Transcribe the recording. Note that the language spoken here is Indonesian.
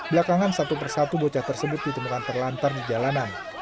belakangan satu persatu bocah tersebut ditemukan terlantar di jalanan